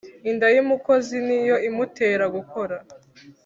inda y’umukozi ni yo imutera gukora,